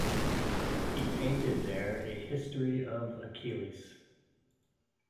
He painted there a history of Achilles.